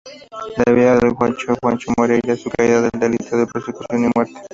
La vida del gaucho Juan Moreira, su caída en el delito, persecución y muerte.